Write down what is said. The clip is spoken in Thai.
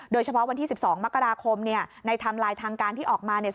โดยเฉพาะวันที่สิบสองมกราคมเนี้ยในทำไลน์ทางการที่ออกมาเนี้ย